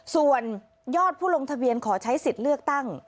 ส่วนยอดผู้ลงทะเบียนขอใช้สิทธิ์เลือกตั้ง